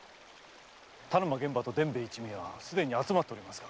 田沼玄蕃と伝兵衛の一味はすでに集まっております。